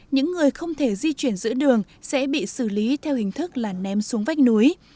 những người không thể di chuyển giữa đường sẽ bị xử lý theo hình thức là ném xuống vách núi